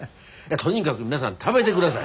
とにかぐ皆さん食べでください。